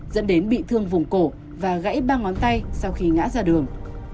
dẫn đến bị thương vùng cổ và gãy ba ngón tay sau khi ngã ra đường